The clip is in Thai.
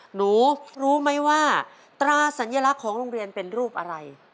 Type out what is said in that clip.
หนูรู้ไหมว่าตราสัญลักษณ์ของโรงเรียนเป็นรูปอะไร